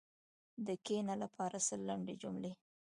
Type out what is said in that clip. د “کښېنه” لپاره سل لنډې جملې: